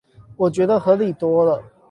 我覺得合理多了